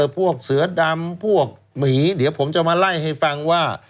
พวกเสือดำพวกหมีเดี๋ยวผมจะมาไล่ให้ฟังว่า